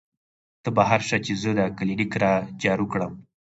تۀ بهر شه چې زۀ دا کلینک را جارو کړم " ـ